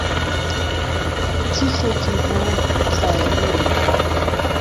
تیخێکی بوو زارهلوو